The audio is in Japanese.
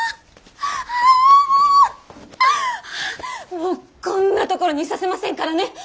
もうこんなところにいさせませんからね。